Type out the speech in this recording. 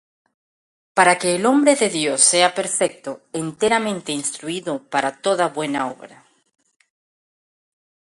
Para que el hombre de Dios sea perfecto, enteramente instruído para toda buena obra.